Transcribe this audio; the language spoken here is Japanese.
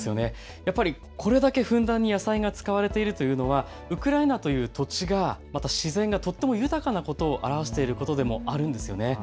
これだけふんだんに野菜が使われているというのはウクライナという土地が自然がとても豊かだということを表しているんでもあるんですよね。